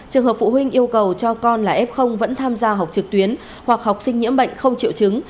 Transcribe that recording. trường hợp phụ huynh yêu cầu cho con là f vẫn tham gia học trực tuyến hoặc học sinh nhiễm bệnh không triệu chứng